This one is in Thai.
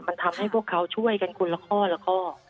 มันทำให้พวกเขาช่วยกันคนละข้อละข้อ